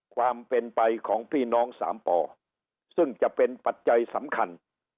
ความเป็นไปของพี่น้องสามป่อซึ่งจะเป็นปัจจัยสำคัญ